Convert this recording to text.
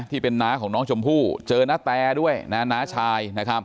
น้าของน้องชมพู่เจอณแตด้วยนะน้าชายนะครับ